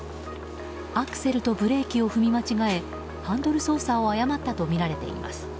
アクセルとブレーキを踏み間違えハンドル操作を誤ったとみられています。